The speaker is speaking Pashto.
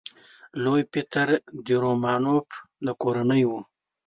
لوی پطر د رومانوف له کورنۍ و.